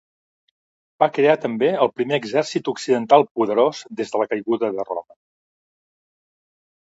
Va crear també el primer exèrcit occidental poderós des de la caiguda de Roma.